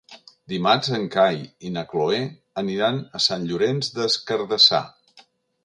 Dimarts en Cai i na Cloè aniran a Sant Llorenç des Cardassar.